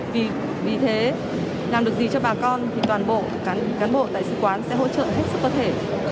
vì thế làm được gì cho bà con thì toàn bộ cán bộ đại sứ quán sẽ hỗ trợ hết sức có thể